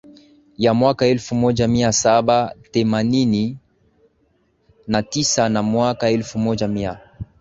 ya mwaka elfu moja mia saba themanini na tisa na mwaka elfu moja mia